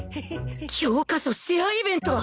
教科書シェアイベント！